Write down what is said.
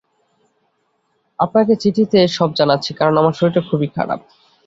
আপনাকে চিঠিতে সব জানাচ্ছি, কারণ আমার শরীরটা খুবই খারাপ।